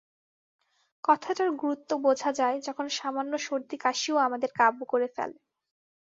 কথাটার গুরুত্ব বোঝা যায় যখন সামান্য সর্দিকাশিও আমাদের কাবু করে ফেলে।